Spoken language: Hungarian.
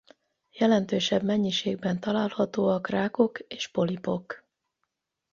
Jelentősebb mennyiségben találhatóak rákok és polipok.